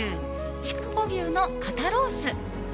筑穂牛の肩ロース。